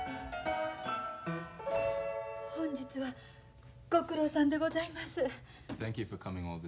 本日はご苦労さんでございます。